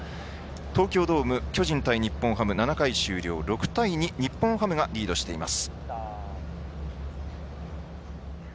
東京ドーム、巨人対日本ハム７回終了６対２日本ハムがリードしています。